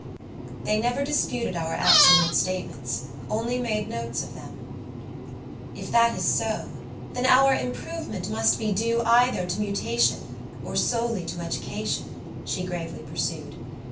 They never disputed our absolute statements, only made notes of them. "If that is so, then our improvement must be due either to mutation, or solely to education," she gravely pursued.